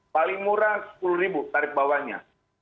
paling murah rp sepuluh tarif bawahnya